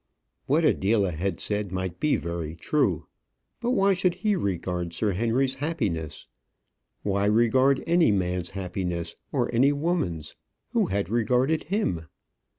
What Adela had said might be very true, but why should he regard Sir Henry's happiness? why regard any man's happiness, or any woman's? Who had regarded him?